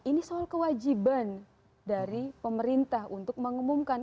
ini soal kewajiban dari pemerintah untuk mengumumkan